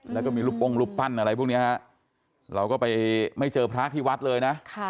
แล้วก็มีรูปป้งรูปปั้นอะไรพวกนี้ฮะเราก็ไปไม่เจอพระที่วัดเลยนะ